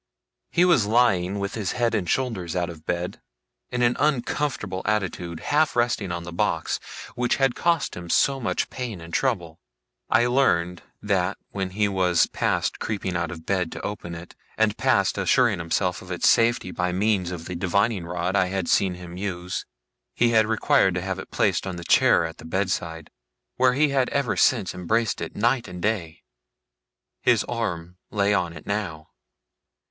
He was lying with his head and shoulders out of bed, in an uncomfortable attitude, half resting on the box which had cost him so much pain and trouble. I learned, that, when he was past creeping out of bed to open it, and past assuring himself of its safety by means of the divining rod I had seen him use, he had required to have it placed on the chair at the bed side, where he had ever since embraced it, night and day. His arm lay on it now.